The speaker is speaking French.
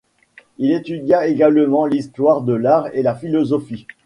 Il étudia également l'histoire de l'art et la philosophie.